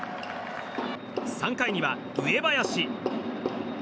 ３回には、上林。